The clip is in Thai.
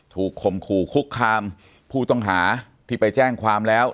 ข่มขู่คุกคามผู้ต้องหาที่ไปแจ้งความแล้ว